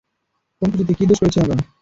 কোন খুশিতে, কি দোষ করেছি আমরা?